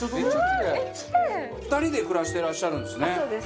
２人で暮らしてらっしゃるんですね。